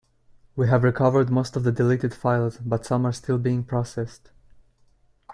We have recovered most of the deleted files, but some are still being processed.